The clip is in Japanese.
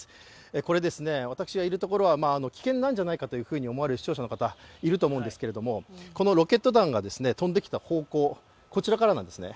これですね、私がいるところは危険なんじゃないかと思われる視聴者の方いるかもしれませんがこのロケット弾が飛んできた方向、こちらからなんですね。